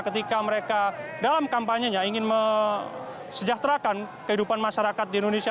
ketika mereka dalam kampanyenya ingin mesejahterakan kehidupan masyarakat di indonesia